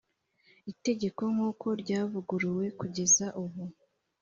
itegeko nk’uko ryavuguruwe kugeza ubu